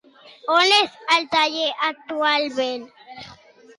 On és, el taller, actualment?